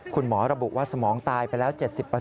คุณหมอระบุว่าสมองตายไปแล้ว๗๐